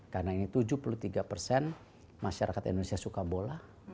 karena ini tujuh puluh tiga masyarakat indonesia suka bola